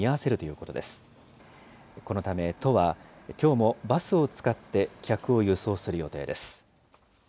このため、都は、きょうもバスを使って客を輸送する予定です。